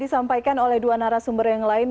disampaikan oleh dua narasumber yang lain